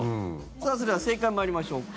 さあ、それでは正解、参りましょうか。